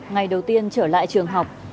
ngày đầu tiên trở lại trường học